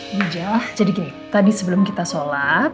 ibu ijah jadi gini tadi sebelum kita sholat